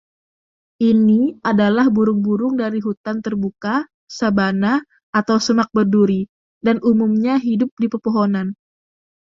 Ini adalah burung-burung dari hutan terbuka, sabana, atau semak berduri, dan umumnya hidup di pepohonan.